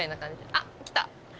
あっ来た！